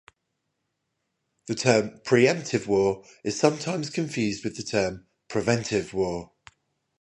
The term 'preemptive war' is sometimes confused with the term 'preventive war'.